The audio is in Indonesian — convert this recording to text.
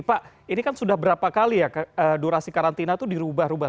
pak ini kan sudah berapa kali ya durasi karantina itu dirubah rubah